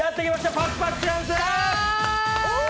パクパクチャンス！